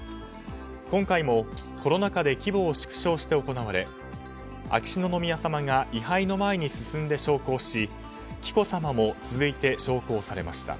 今回もコロナ禍で規模を縮小して行われ秋篠宮さまが位牌の前に進んで焼香し紀子さまも続いて焼香されました。